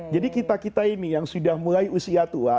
jadi kita kita ini yang sudah mulai usia tua